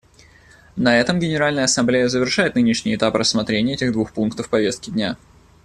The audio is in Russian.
На этом Генеральная Ассамблея завершает нынешний этап рассмотрения этих двух пунктов повестки дня.